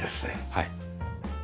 はい。